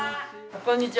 こんにちは。